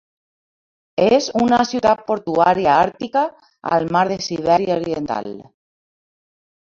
És una ciutat portuària àrtica al mar de Sibèria Oriental.